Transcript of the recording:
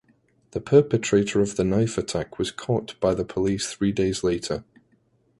The perpetrator of the knife attack was caught by the police three days later.